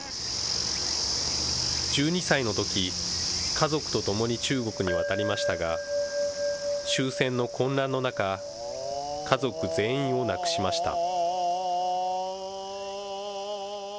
１２歳のとき、家族とともに中国に渡りましたが、終戦の混乱の中、家族全員を亡くしました。